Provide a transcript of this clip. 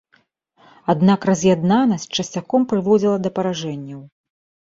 Аднак раз'яднанасць часцяком прыводзіла да паражэнняў.